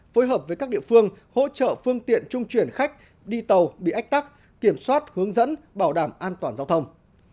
phối hợp với các địa phương hỗ trợ phương tiện trung chuyển khách đi tàu bị ách tắc kiểm soát hướng dẫn bảo đảm an toàn giao thông